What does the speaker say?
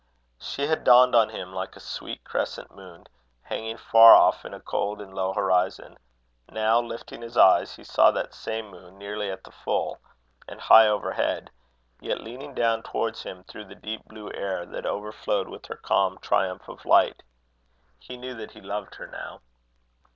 She had dawned on him like a sweet crescent moon, hanging far off in a cold and low horizon: now, lifting his eyes, he saw that same moon nearly at the full, and high overhead, yet leaning down towards him through the deep blue air, that overflowed with her calm triumph of light. He knew that he loved her now.